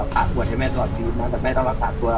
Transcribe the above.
ปวดให้แม่ตลอดชีวิตนะแต่แม่ต้องรักษาตัว